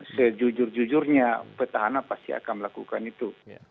sejujur jujurnya petahana pasti akan melakukan itu